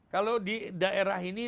kalau di daerah ini